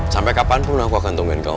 sampai kapanpun aku akan tungguin kamu